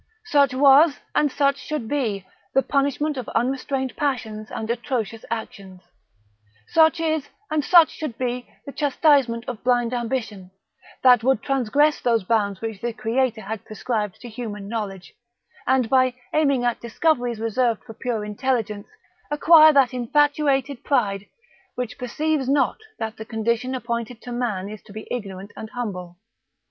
Such was, and such should be, the punishment of unrestrained passions and atrocious actions! Such is, and such should be, the chastisement of blind ambition, that would transgress those bounds which the Creator hath prescribed to human knowledge; and, by aiming at discoveries reserved for pure Intelligence, acquire that infatuated pride, which perceives not that the condition appointed to man is to be ignorant and humble.